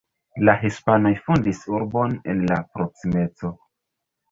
La hispanoj fondis urbon en la proksimeco.